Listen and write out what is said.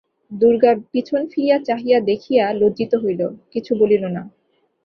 দুর্গা পিছন ফিরিয়া চাহিয়া দেখিয়া লজ্জিত হইল, কিছু বলিল না।